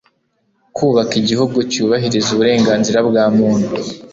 kubaka igihugu cyubahiriza uburenganzira bwa muntu